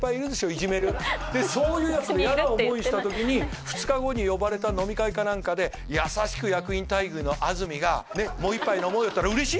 いじめるそういうやつで嫌な思いした時に別にいるって言ってない２日後に呼ばれた飲み会か何かで優しく役員待遇の安住が「ねっもう１杯飲もうよ」って言ったら嬉しいでしょ？